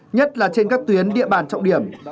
nhất là trên các tuyến địa bàn trọng điểm